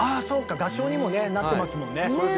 合唱にもねなってますもんね。